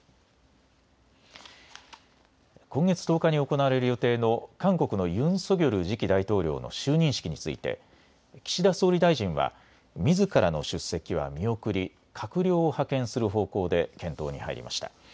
今月１０日に行われる予定の韓国のユン・ソギョル次期大統領の就任式について岸田総理大臣はみずからの出席は見送り、閣僚を派遣する方向で検討に入りました。